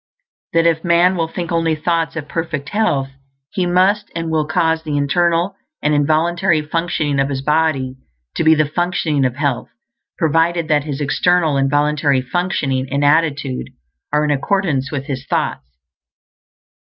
_ _That if man will think only thoughts of perfect health, he must and will cause the internal and involuntary functioning of his body to be the functioning of health, provided that his external and voluntary functioning and attitude are in accordance with his thoughts.